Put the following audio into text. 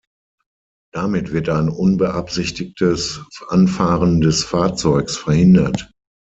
Damit wird ein unbeabsichtigtes Anfahren des Fahrzeugs verhindert.